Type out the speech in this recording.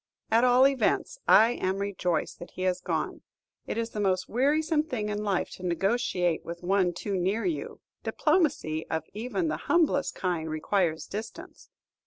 At all events, I am rejoiced that he has gone. It is the most wearisome thing in life to negotiate with one too near you. Diplomacy of even the humblest kind requires distance."